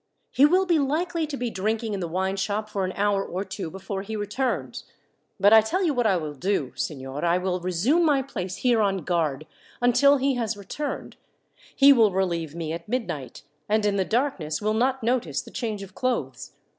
He will be likely to be drinking in the wine shop for an hour or two before he returns. But I tell you what I will do, signor. I will resume my place here on guard until he has returned. He will relieve me at midnight, and in the darkness will not notice the change of clothes.